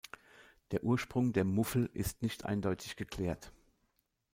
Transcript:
Der Ursprung der Muffel ist nicht eindeutig geklärt.